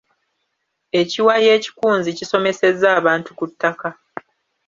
Ekiwayi ekikunzi kisomesezza abantu ku ttaka.